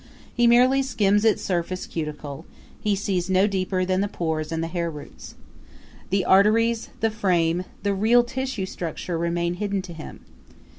He merely skims its surface cuticle; he sees no deeper than the pores and the hair roots. The arteries, the frame, the real tissue structure remain hidden to him.